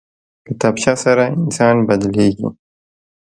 کتابچه سره انسان بدلېږي